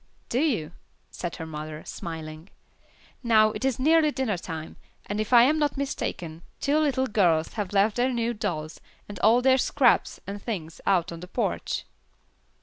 "Do you?" said her mother, smiling. "Now it is nearly dinner time, and if I am not mistaken, two little girls have left their new dolls, and all their scraps and things out on the porch."